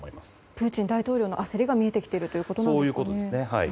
プーチン大統領の焦りが見えてきているということですね。